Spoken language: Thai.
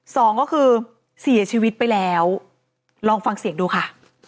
สองก็คือเสียชีวิตไปแล้วลองฟังเสียงดูค่ะ